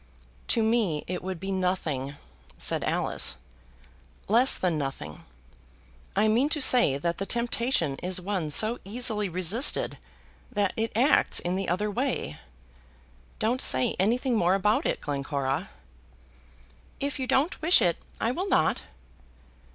"To me it would be nothing," said Alice; "less than nothing. I mean to say that the temptation is one so easily resisted that it acts in the other way. Don't say anything more about it, Glencora." "If you don't wish it, I will not."